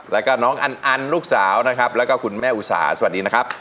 แล้วก็น้องอันอันลูกสาวนะครับแล้วก็คุณแม่อุสาสวัสดีนะครับ